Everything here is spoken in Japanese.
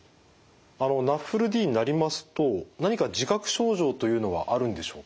ＮＡＦＬＤになりますと何か自覚症状というのはあるんでしょうか？